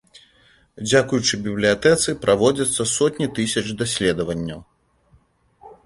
Дзякуючы бібліятэцы праводзяцца сотні тысяч даследаванняў.